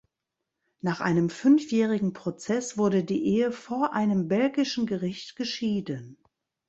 Nach einem fünfjährigen Prozess wurde die Ehe vor einem belgischen Gericht geschieden.